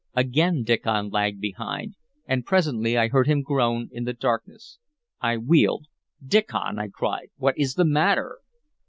Again Diccon lagged behind, and presently I heard him groan in the darkness. I wheeled. "Diccon!" I cried. "What is the matter?"